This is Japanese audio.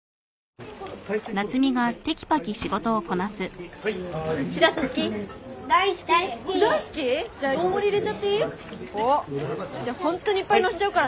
おっじゃあホントにいっぱいのせちゃうからね。